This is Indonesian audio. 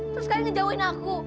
terus kalian ngejauhin aku